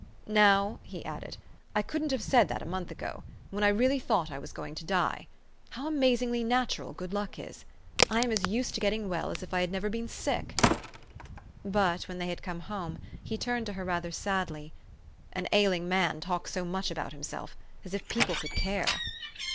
Now," he added, "I couldn't have said that a month ago, when I really thought I was going to die. How amazingly natural good luck is ! I am as used to getting well as if I had never been sick." But, when they had come home, he turned to her rather sadly, " An ailing man talks so much about himself! as if people could care."